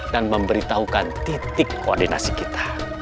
memberitahukan titik koordinasi kita